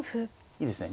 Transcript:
いいですね。